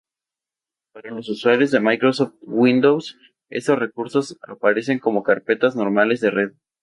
Para los usuarios de Microsoft Windows, estos recursos aparecen como carpetas normales de red.